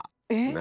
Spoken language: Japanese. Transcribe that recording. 何？